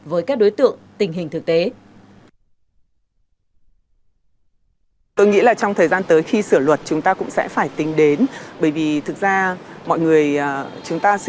với các đối tượng tình hình thực tế